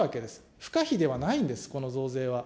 不可避ではないんです、この増税は。